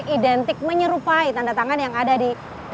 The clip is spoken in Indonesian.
identik menyerupai tanda tangan yang ada di bank bca indrapura surabaya